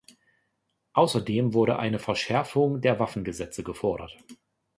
Außerdem wurde eine Verschärfung der Waffengesetze gefordert.